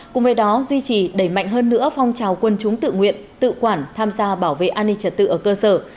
cùng với đó duy trì đẩy mạnh hơn nữa phong trào quân chúng tự nguyện tự quản tham gia bảo vệ an ninh trật tự ở cơ sở